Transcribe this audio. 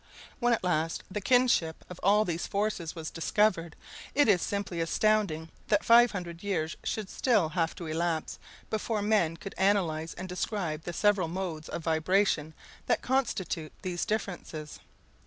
When at last the kinship of all these forces was discovered, it is simply astounding that 500 years should still have to elapse before men could analyze and describe the several modes of vibration that constitute these differences.